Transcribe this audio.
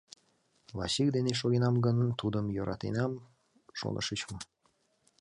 Васик дене шогенам гын, тудым йӧратенам, шонышыч мо?